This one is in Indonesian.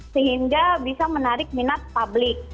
sehingga bisa menarik minat publik